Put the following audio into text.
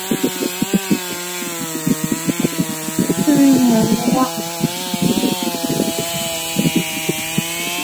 南海殿遗址的历史年代为卡约文化。